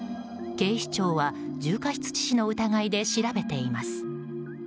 警視庁は重過失致死の疑いで調べています。